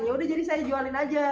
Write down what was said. yaudah jadi saya jualin aja